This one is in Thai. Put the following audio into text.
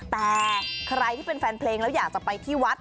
แต่ใครที่เป็นแฟนเพลงแล้วอยากจะไปที่วัด